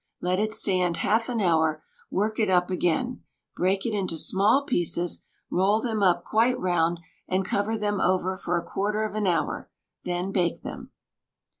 Let it stand half an hour; work it up again; break it into small pieces, roll them up quite round, and cover them over for a quarter of an hour, then bake them.